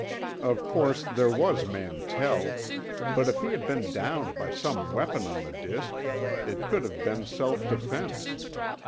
Of course, there was Mantell; but if he had been downed by some weapon on the disk, it could have been self defense.